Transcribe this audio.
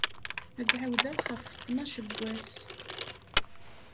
Ad d-ɛawdeɣ ɣef ttnac n wass.